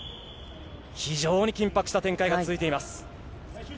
非常に緊迫した展開が続いています。